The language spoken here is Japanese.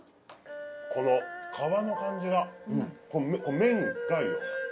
この皮の感じが麺に近いような。